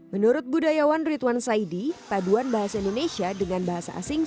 menurut budayawan ridwan saidi paduan bahasa indonesia dengan bahasa asing